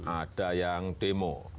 ada yang demo